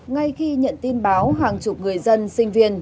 ngay khi nhận tin báo hàng chục người dân sinh viên